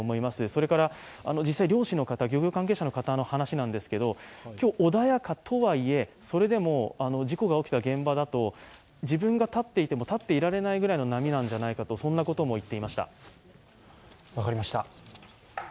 それから、実際、漁師の方、漁業関係者の方の話なんですけど今日、穏やかとはいえそれでも事故が起きた現場だと、自分が立っていても、立っていられないぐらいの波なんじゃないかということも言っていました。